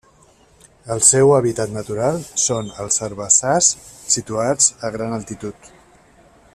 El seu hàbitat natural són els herbassars situats a gran altitud.